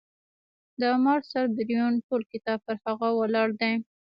د مارسل بریون ټول کتاب پر هغه ولاړ دی.